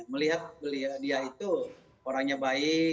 melihat dia itu orangnya baik